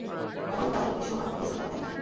অবৈধ গাঁজা বিক্রির সময় ভক্তি শ্রদ্ধা কোথায় থাকে?